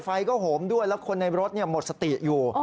ไฟก็โหมด้วยแล้วคนในรถหมดสติอยู่